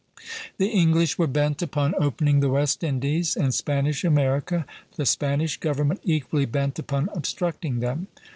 The English were bent upon opening the West Indies and Spanish America, the Spanish government equally bent upon obstructing them.